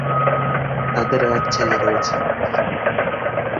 তাদের এক ছেলে রয়েছে।